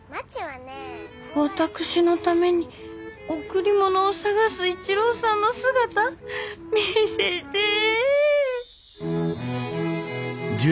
私のために贈り物を探す一郎さんの姿見せてえ！